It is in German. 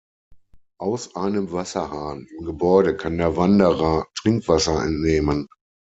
Aus einem Wasserhahn im Gebäude kann der Wanderer Trinkwasser entnehmen.